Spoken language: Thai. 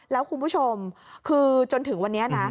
แล้วคุณผู้ชมคือจนถึงวันนี้นะ